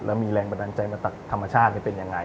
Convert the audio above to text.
แล้วมีแรงบันดาลใจมาจากธรรมชาติเป็นยังไง